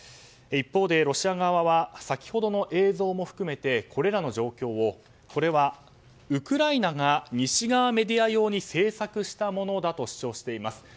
一方でロシア側は先ほどの映像も含めてこれらの状況をこれは、ウクライナが西側メディア用に制作したものだと主張しています。